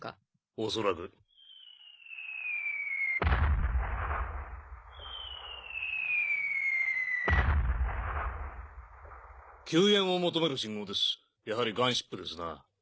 おそらく。救援を求める信号ですやはりガンシップですな。